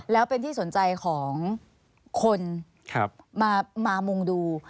แล้วเป็นที่สนใจของคนมามุงดู